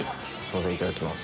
・いただきます。